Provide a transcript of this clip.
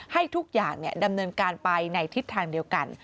ให้ทุกอย่างดำเนินการไปในทิศทางเดียวกัน